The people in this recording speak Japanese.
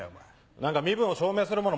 何か身分を証明するもの。